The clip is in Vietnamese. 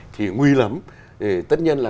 thì nguy lắm tất nhiên là